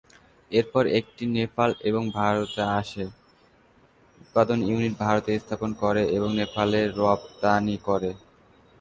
এরপর এটি নেপাল এবং ভারতে আসে, উৎপাদন ইউনিট ভারতে স্থাপন করে এবং নেপালে রফতানি করে।